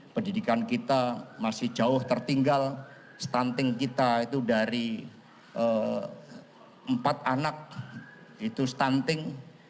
pendidikan kita masih jauh tertinggal stunting kita itu dari empat anak itu stunting